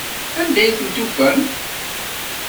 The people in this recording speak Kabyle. Anda ay t-id-tufam?